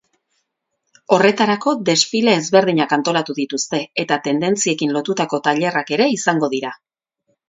Horretarako, desfile ezberdinak antolatu dituzte eta tendentziekin lotutako tailerrak ere izango dira.